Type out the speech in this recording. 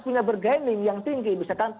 punya bergening yang tinggi misalkan